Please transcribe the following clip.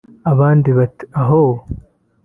abandi bati ‘oh